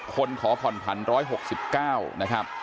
๕๓๖คนขอผ่อนพันธุ์๑๖๙นะครับ